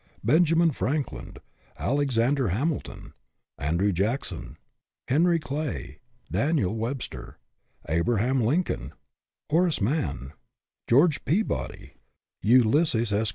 Benjamin Franklin, Alexander Hamilton, Andrew Jackson, Henry Clay, Daniel Webster, Abraham Lincoln, Horace Mann, George Peabody, Ulysses S.